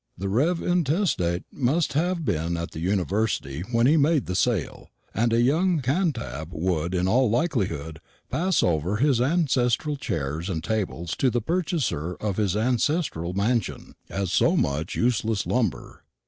The rev. intestate must have been at the University when he made the sale; and a young Cantab would in all likelihood pass over his ancestral chairs and tables to the purchaser of his ancestral mansion, as so much useless lumber.